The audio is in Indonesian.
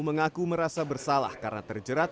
mengaku merasa bersalah karena terjerat